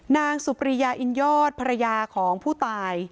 นางสุปรียาอินยอดภรรยาของผู้ตาย